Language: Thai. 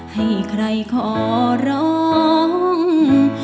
ให้ใครขอร้อง